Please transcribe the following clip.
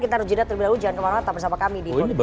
kita rujeda terbira ujian kemarin bersama kami di for the future